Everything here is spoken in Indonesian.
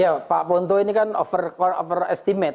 ya pak ponto ini kan overestimate